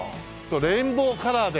レインボーカラーで。